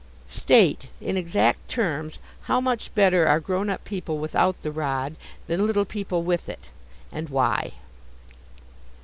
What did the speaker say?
State, in exact terms, how much better are grown up people without the rod, than little people with it. And why?